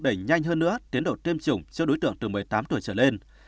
đẩy nhanh hơn nữa tiến độ tiêm chủng cho đối tượng từ một mươi tám tuổi trở lên